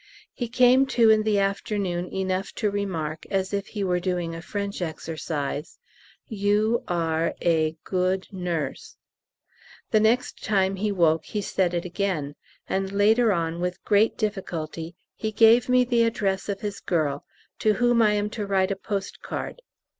He came to in the afternoon enough to remark, as if he were doing a French exercise, "You are a good Nurse!" The next time he woke he said it again, and later on with great difficulty he gave me the address of his girl, to whom I am to write a post card.